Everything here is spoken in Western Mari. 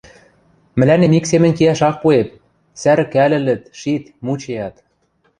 Мӹлӓнем ик семӹнь киӓш ак пуэп, сӓрӹкӓлӹлӹт, шит, мучыят.